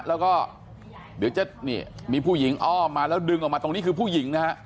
แล้วก็เดี๋ยวจะนี่มีผู้หญิงอ้อมมาแล้วดึงออกมาตรงนี้คือผู้หญิงนะฮะ